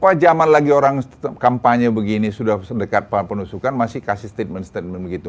pak zaman lagi orang kampanye begini sudah sedekat pak penusukan masih kasih statement statement begitu